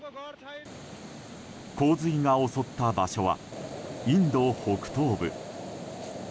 洪水が襲った場所はインド北東部。